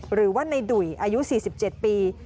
หรือว่าในดุ่ยอายุ๔๗ปี